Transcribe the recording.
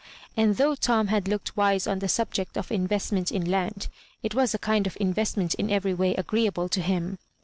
And though Tom had looked wise on the subject of invest ment in land, it was a kind, of investment in every way agreeable to him.